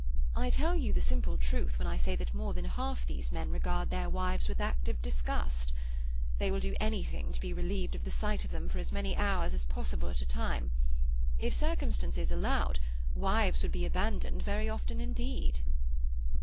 I tell you the simple truth when I say that more than half these men regard their wives with active disgust. They will do anything to be relieved of the sight of them for as many hours as possible at a time. If circumstances allowed, wives would be abandoned very often indeed."